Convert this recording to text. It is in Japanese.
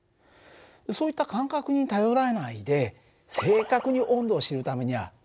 そういった感覚に頼らないで正確に温度を知るためにはどうしたらいいかな？